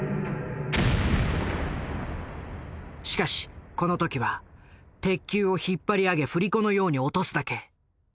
しかしこの時は鉄球を引っ張り上げ振り子のように落とすだけ。